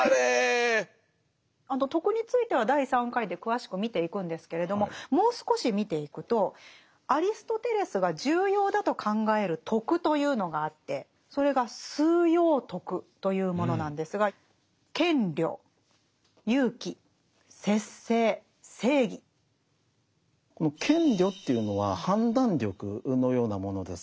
徳については第３回で詳しく見ていくんですけれどももう少し見ていくとアリストテレスが重要だと考える徳というのがあってそれが「枢要徳」というものなんですがこの「賢慮」っていうのは判断力のようなものです。